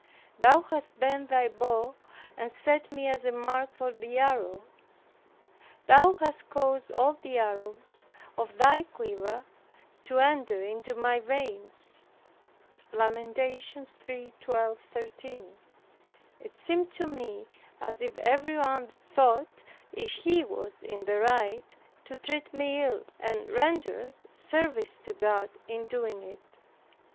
"Thou hast bent thy bow and set me as a mark for the arrow; thou has caused all the arrows of thy quiver to enter into my reins" (Lam. 3:12, 13). It seemed to me as if everyone thought he was in the right to treat me ill, and rendered service to God in doing it.